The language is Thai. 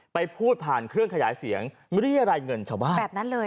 ไปพูดผ่านเครื่องขยายเสียงรี่อะไรเงินชาวบ้าน